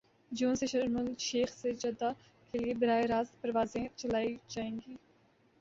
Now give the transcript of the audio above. جون سے Sharm el Sheikh سے Jeddah کے لیے براہ راست پروازیں چلائی جائیں گی